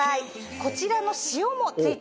こちらの塩も付いています。